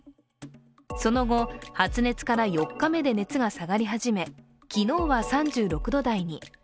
その後、発熱から４日目で熱が下がり始め、昨日は３６度台に。